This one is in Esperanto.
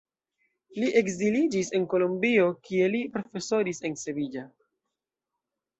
Li ekziliĝis en Kolombio, kie li profesoris en Sevilla.